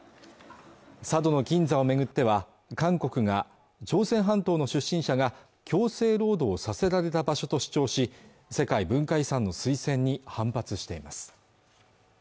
佐渡島の金山を巡っては韓国が朝鮮半島の出身者が強制労働させられた場所と主張し世界文化遺産の推薦に反発しています